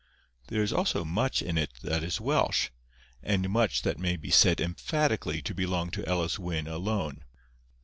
There is also much in it that is Welsh, and much that may be said emphatically to belong to Elis Wyn alone.